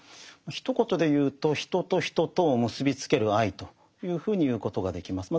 ひと言で言うと人と人とを結びつける愛というふうに言うことができます。